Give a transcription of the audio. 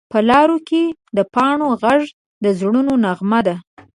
په لارو کې د پاڼو غږ د زړونو نغمه ده